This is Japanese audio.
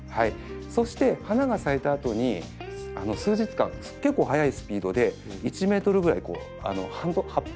そして花が咲いたあとに数日間結構速いスピードで１ｍぐらい葉っぱが伸びていくんですね。